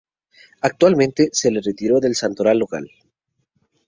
Actualmente, se le retiró del santoral local.